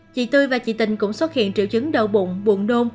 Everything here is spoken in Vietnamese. chị tươi và chị tình cũng xuất hiện triệu chứng đau bụng buồn nôn